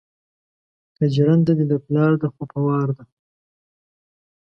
که جرنده دې د پلار ده خو په وار ده